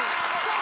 あ！